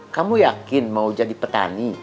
kamu yakin mau jadi petani